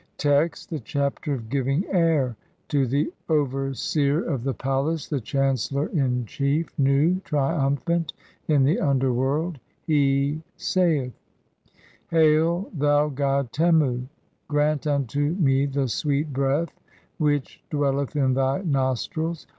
Text : (1) The Chapter of giving air (2) to the over seer OF the palace, the chancellor in chief, Nu, trium phant, IN THE UNDERWORLD. He saith :— "Hail, thou god Temu, grant unto me the sweet breath which "dwelleth in thy nostrils!